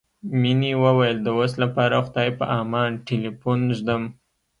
مينې وويل د اوس لپاره خدای په امان ټليفون ږدم.